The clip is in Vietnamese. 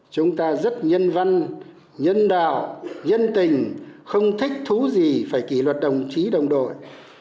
chúng ta rất nhân văn nhân đạo nhân tình không thích thú gì phải kỷ luật đồng chí đồng đội